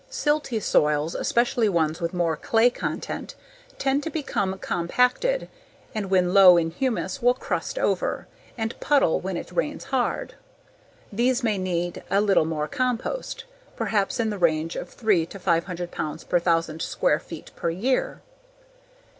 Silty soils, especially ones with more clay content, tend to become compacted and when low in humus will crust over and puddle when it rains hard. These may need a little more compost, perhaps in the range of three to five hundred pounds per thousand square feet per year.